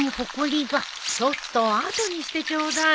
ちょっと後にしてちょうだい。